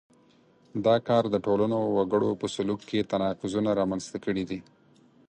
دا کار د ټولنو وګړو په سلوک کې تناقضونه رامنځته کړي دي.